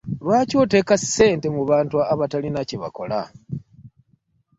Lwaki oteeka sssente mu bantu abatalina kyebakola?